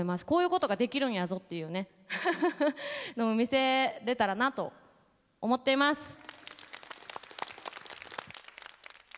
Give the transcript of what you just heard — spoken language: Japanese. こういうことができるんやぞっていうねのを見せれたらなと思っています。